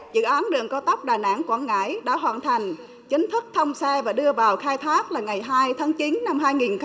dự án đường có tóc đà nẵng quảng ngãi đã hoàn thành chính thức thông xe và đưa vào khai thác là ngày hai tháng chín năm hai nghìn một mươi tám